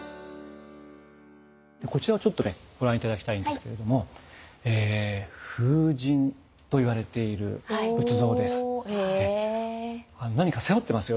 こちらをちょっとねご覧頂きたいんですけれども風神と言われている仏像です。